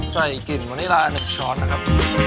ใส่กลิ่นวันนี้ลา๑ช้อนนะครับ